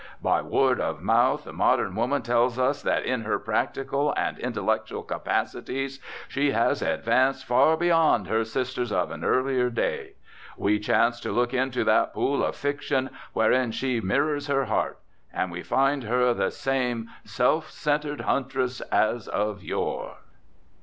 By word of mouth the modern woman tells us that in her practical and intellectual capacities she has advanced far beyond her sisters of an earlier day; we chance to look into that pool of fiction wherein she mirrors her heart, and we find her the same self centred huntress as of yore.